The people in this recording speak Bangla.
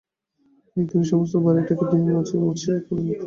এক দিনে সমস্ত বাড়িটাকে ধুইয়া মাজিয়া মুছিয়া একেবারে নূতন করিয়া তুলিবে না কি?